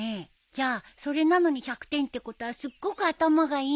じゃあそれなのに１００点ってことはすっごく頭がいいんだね。